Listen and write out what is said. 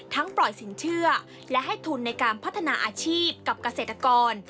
ปล่อยสินเชื่อและให้ทุนในการพัฒนาอาชีพกับเกษตรกร